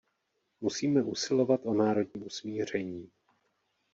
Musíme usilovat o národní usmíření.